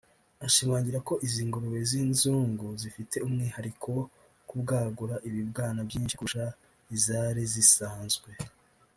ashimangira ko izi ngurube z’ inzungu zifite umwihariko wo kubwagura ibibwana byinshi kurusha izari zisanzwe